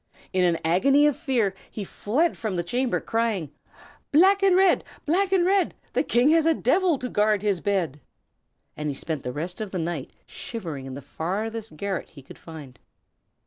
In an agony of fear he fled from the chamber, crying, "Black and red! black and red! The King has a devil to guard his bed." And he spent the rest of the night shivering in the farthest garret he could find.